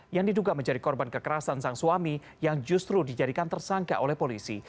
yang diduga menjadi korban kekerasan sang suami yang justru dijadikan tersangka oleh polisi